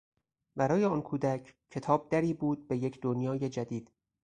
برای آن کودک کتاب دری بود به یک دنیای جدید.